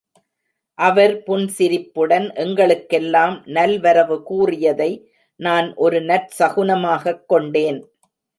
அவர் புன்சிரிப்புடன் எங்களுக்கெல்லாம் நல்வரவு கூறியதை நான் ஒரு நற்சகுனமாகக் கொண்டேன்.